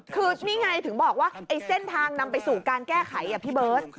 คือนี่ไงถึงบอกว่าไอ้เส้นทางนำไปสู่การแก้ไขพี่เบิร์ต